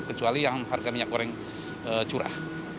kecuali yang harga minyak goreng curah